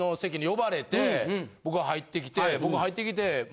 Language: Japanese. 僕が入ってきて。